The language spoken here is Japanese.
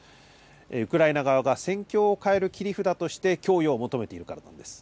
ウクライナ側が戦況を変える切り札として供与を求めているからなんです。